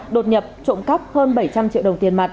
đột nhập trộm cắp hơn bảy trăm linh triệu đồng tiền mặt